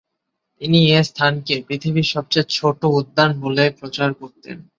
তিনি এ স্থানটিকে "পৃথিবীর সবচেয়ে ছোট উদ্যান" বলে প্রচার করতেন।